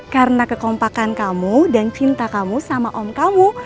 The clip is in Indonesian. karena kekompakan kamu dan cinta kamu sama om kamu